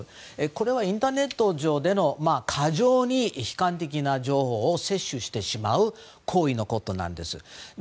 これはインターネット上で過剰に悲観的な情報を摂取してしまう行為のことです。